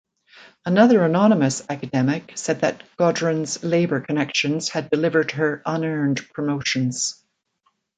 Another anonymous academic said that Gaudron's Labor connections had delivered her unearned promotions.